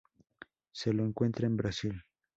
Se lo encuentra en Brasil.